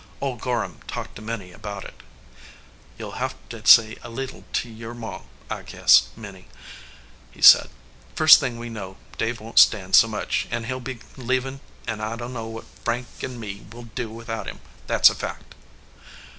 Old Gorham talked to Minnie about it. "You ll have to say a leetle to your Ma, I guess, Minnie," he said. "First thing we know, Dave won t stand so much, an he ll be leavin ; an* I dunno what Frank an me would do without him, that s a fact."